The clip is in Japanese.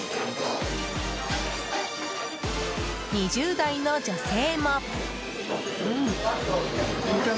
２０代の女性も。